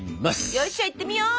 よっしゃ行ってみよう！